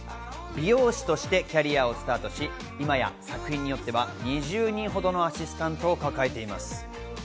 美容師としてキャリアをスタートし、今や作品によっては２０人ほどのアシスタントを抱えています。